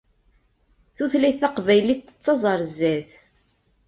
Tutlayt taqbaylit tettaẓ ar zdat.